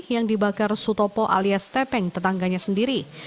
yang dibakar sutopo alias tepeng tetangganya sendiri